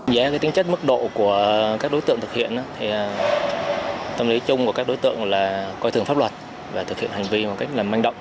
giá tính chất mức độ của các đối tượng thực hiện thì tâm lý chung của các đối tượng là coi thường pháp luật và thực hiện hành vi một cách là manh động